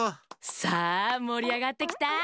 さあもりあがってきた！